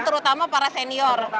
terutama para senior